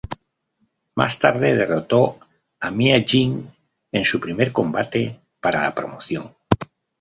Más tarde, derrotó a Mia Yim en su primer combate para la promoción.